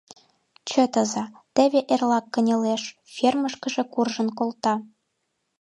Чытыза, теве эрлак кынелеш, фермышкыже куржын колта.